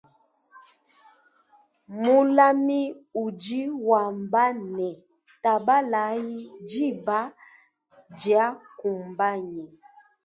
Mulami udi wamba ne tabalayi diba diakumbanyi.